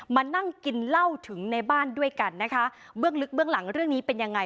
มานั่งกินเหล้าถึงในบ้านด้วยกันนะคะเบื้องลึกเบื้องหลังเรื่องนี้เป็นยังไง